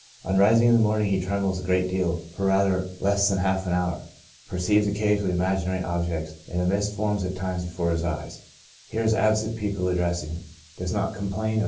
On rising in the morning he trembles a great deal for rather less than half an hour ; perceives occasionally imaginary objects, and a mist forms at times before his eyes ; hears absent people addressing him ; does not complain of IMMEDIATE CAUSES.